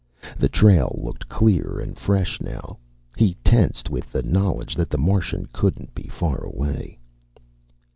The trail looked clear and fresh now. He tensed with the knowledge that the Martian couldn't be far away.